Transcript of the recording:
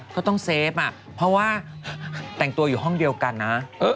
ต้องเซฟอ่ะเพราะว่าแต่งตัวอยู่ห้องเดียวกันนะ